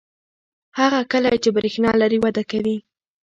هغه کلی چې برېښنا لري وده کوي.